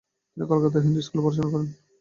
তিনি কলকাতার হিন্দু স্কুলে পড়াশোনা করেন।